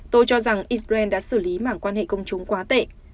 tôi cho rằng israel đã xử lý mảng quan hệ công chúng quá tệ